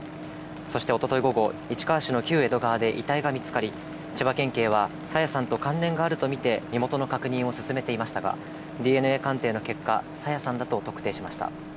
そしておととい午後、市川市の旧江戸川で遺体が見つかり、千葉県警は朝芽さんと関連があると見て、身元の確認を進めていましたが、ＤＮＡ鑑定の結果、朝芽さんだと特定しました。